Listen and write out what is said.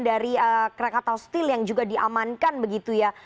dari krakatau steel yang juga diamankan begitu ya